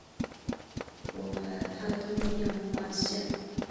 他还通过电话线听到福勒克的部分演说和现场的轰动反响。